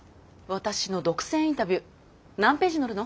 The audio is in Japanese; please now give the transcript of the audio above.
私の独占インタビュー何ページ載るの？